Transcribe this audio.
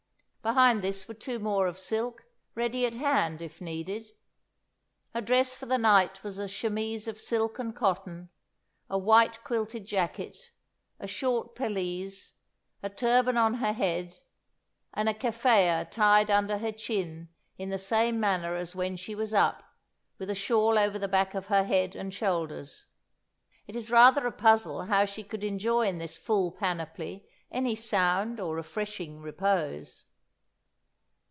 Behind this were two more of silk, ready at hand, if needed. Her dress for the night was a chemise of silk and cotton, a white quilted jacket, a short pelisse, a turban on her head, and a kefféyah tied under her chin in the same manner as when she was up, with a shawl over the back of her head and shoulders. It is rather a puzzle how she could enjoy in this full panoply any sound or refreshing repose.